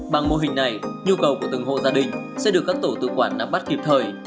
bằng mô hình này nhu cầu của từng hộ gia đình sẽ được các tổ tự quản nắm bắt kịp thời